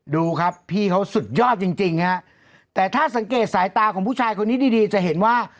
ดูครับพี่เขาสุดยอดจริงจริงฮะแต่ถ้าสังเกตสายตาของผู้ชายคนนี้ดีดีจะเห็นว่า